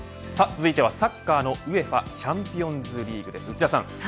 続いてはサッカーの、ＵＥＦＡチャンピオンズリーグです。